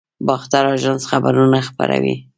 باختر اژانس خبرونه خپروي